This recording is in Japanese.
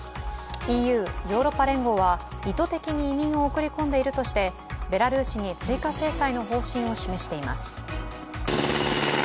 ＥＵ＝ヨーロッパ連合は意図的に移民を送り込んでいるとしてベラルーシに追加制裁の方針を示しています。